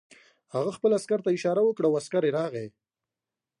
هغه خپل عسکر ته اشاره وکړه او عسکر راغی